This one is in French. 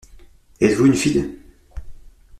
Êtes-vous une fille ?